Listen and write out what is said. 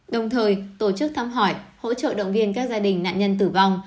đồng thời tổ chức thăm hỏi hỗ trợ động viên các gia đình nạn nhân tử vong